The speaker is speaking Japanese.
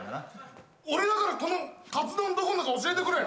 俺だからこのかつ丼どこのか教えてくれ！